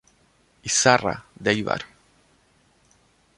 Izarra" de Eibar.